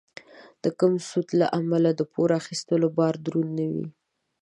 د کم سود له امله د پور اخیستلو بار دروند نه وي.